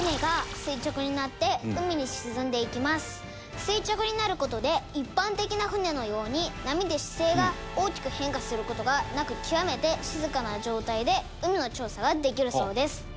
「垂直になる事で一般的な船のように波で姿勢が大きく変化する事がなく極めて静かな状態で海の調査ができるそうです」